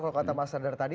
kalau kata mas radar tadi